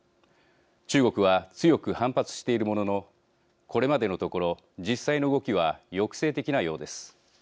中国は強く反発しているもののこれまでのところ実際の動きは抑制的なようです。